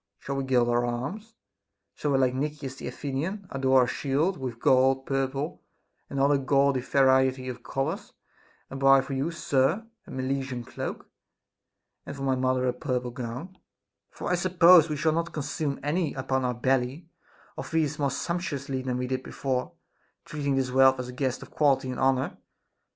Shall we gild our arms ? Shall we, like Nicias the Athe nian, adorn our shield with gold, purple, and other gaudy variety of colors, and buy for you, sir, a Milesian cloak, SOCRATES'S DAEMON. 395 and for my mother a purple gown'? For I suppose we shall not consume any upon our belly, or feast more sump tuously than we did before, treating this wealth as a guest of quality and honor